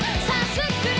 スクれ！